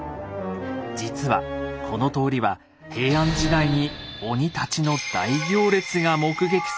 実はこの通りは平安時代に鬼たちの大行列が目撃された場所なんです。